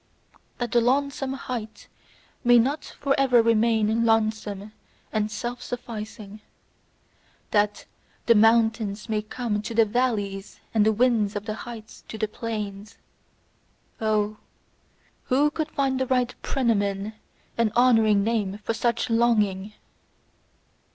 That the lonesome height may not for ever remain lonesome and self sufficing; that the mountains may come to the valleys and the winds of the heights to the plains: Oh, who could find the right prenomen and honouring name for such longing!